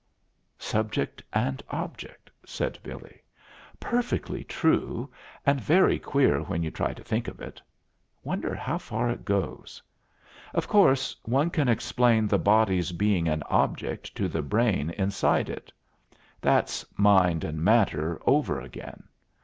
"Subject and object," said Billy. "Perfectly true, and very queer when you try to think of it. Wonder how far it goes? Of course, one can explain the body's being an object to the brain inside it. That's mind and matter over again.